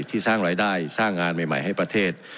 ที่สร้างรายได้สร้างงานใหม่ให้ประเทศ